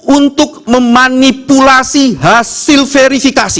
untuk memanipulasi hasil verifikasi